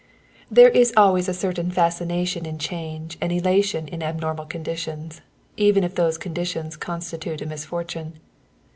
There is always a certain fascination in change and elation in abnormal conditions, even if those conditions constitute a misfortune.